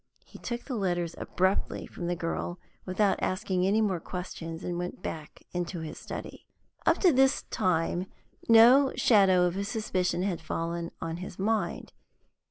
He took the letters abruptly from the girl, without asking any more questions, and went back into his study. Up to this time no shadow of a suspicion had fallen on his mind.